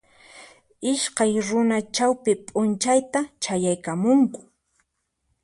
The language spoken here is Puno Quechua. Iskay runa chawpi p'unchayta chayaykamunku